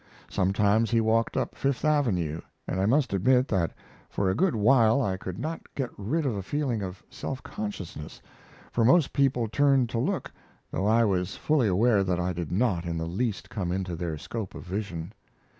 Sometimes we walked up Fifth Avenue, and I must admit that for a good while I could not get rid of a feeling of self consciousness, for most people turned to look, though I was fully aware that I did not in the least come into their scope of vision.